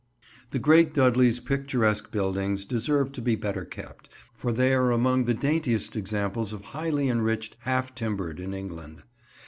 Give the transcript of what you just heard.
The great Dudley's picturesque buildings deserve to be better kept, for they are among the daintiest examples of highly enriched half timbering in England.